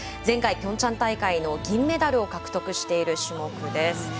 前回ピョンチャン大会の銀メダルを獲得している種目です。